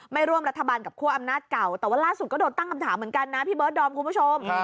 ร่วมรัฐบาลกับคั่วอำนาจเก่าแต่ว่าล่าสุดก็โดนตั้งคำถามเหมือนกันนะพี่เบิร์ดดอมคุณผู้ชม